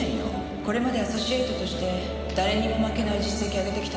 これまでアソシエートとして誰にも負けない実績上げてきたわ。